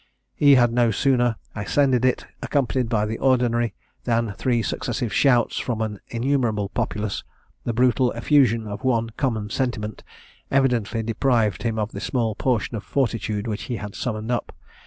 He had no sooner ascended it, accompanied by the Ordinary, than three successive shouts from an innumerable populace, the brutal effusion of one common sentiment, evidently deprived him of the small portion of fortitude which he had summoned up.